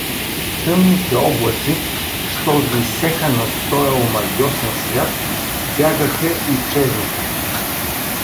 Тъмните облаци, що висеха над тоя омагьосан свят, бягаха и чезнеха.